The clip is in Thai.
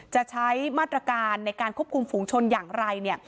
จะใช้มาตรการในการควบคุมฝูงชนอย่างไร